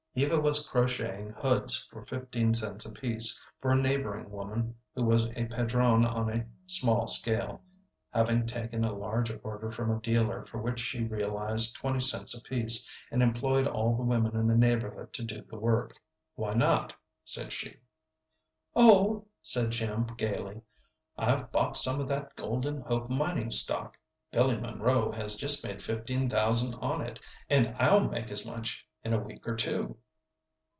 Eva was crocheting hoods for fifteen cents apiece for a neighboring woman who was a padrone on a small scale, having taken a large order from a dealer for which she realized twenty cents apiece, and employed all the women in the neighborhood to do the work. "Why not?" said she. "Oh," said Jim, gayly, "I've bought some of that 'Golden Hope' mining stock. Billy Monroe has just made fifteen thousand on it, and I'll make as much in a week or two."